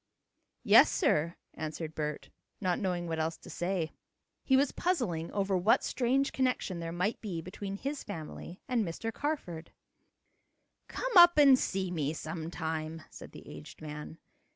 "Yes, sir," answered Bert, not knowing what else to say. He was puzzling over what strange connection there might be between his family and Mr. Carford. "Come up and see me sometime," said the aged man.